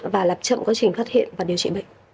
và lập chậm quá trình phát hiện và điều trị bệnh